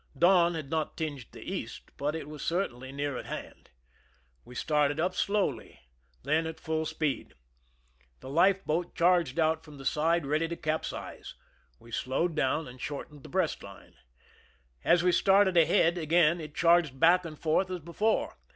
Dawn had not tinged the east, but it was certainly nea,r at hand. We started up slowly, then at full S]Deed. The life boat charged out from the side, ready to capsize. We slowed down and shortened the breast line. As we started ahead again, it charged back and forth as before.